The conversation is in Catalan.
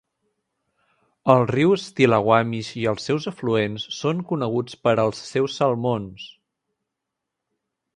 El riu Stillaguamish i els seus afluents són coneguts per els seus salmons.